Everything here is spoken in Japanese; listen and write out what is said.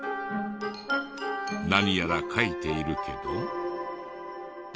何やら描いているけど。